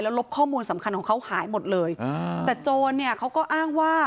ลบข้อมูลสำคัญของเขาหายหมดเลยอ่าแต่โจรเนี่ยเขาก็อ้างว่า